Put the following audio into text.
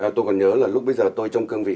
tôi còn nhớ là lúc bây giờ tôi trong cương vị